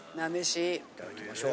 いただきましょう。